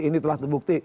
ini telah terbukti